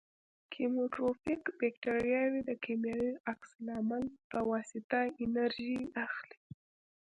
کیموټروفیک باکتریاوې د کیمیاوي عکس العمل په واسطه انرژي اخلي.